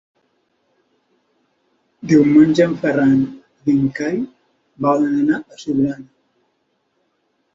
Diumenge en Ferran i en Cai volen anar a Siurana.